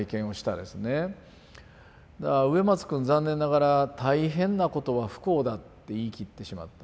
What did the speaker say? だから植松くん残念ながら「大変なことは不幸だ」って言い切ってしまった。